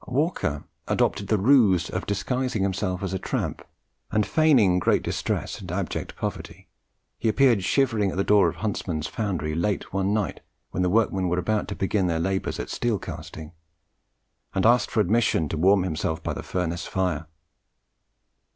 Walker adopted the "ruse" of disguising himself as a tramp, and, feigning great distress and abject poverty, he appeared shivering at the door of Huntsman's foundry late one night when the workmen were about to begin their labours at steel casting, and asked for admission to warm himself by the furnace fire.